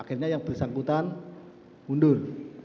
akhirnya yang bersangkutan mundur